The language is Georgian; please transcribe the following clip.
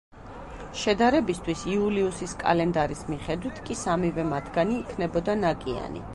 შედარებისთვის, იულიუსის კალენდარის მიხედვით კი სამივე მათგანი იქნებოდა ნაკიანი.